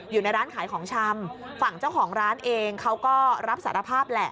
อยู่ในร้านขายของชำฝั่งเจ้าของร้านเองเขาก็รับสารภาพแหละ